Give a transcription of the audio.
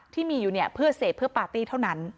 ที่มีอยู่เนี่ยเพื่อเสพเพื่อปาร์ตี้เท่านั้น